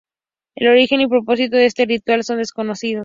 El origen y propósito de este ritual son desconocidos.